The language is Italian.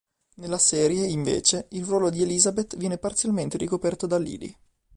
Nella serie, invece, il ruolo di Elizabeth viene parzialmente ricoperto da Lily.